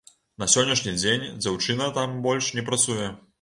На сённяшні дзень дзяўчына там больш не працуе.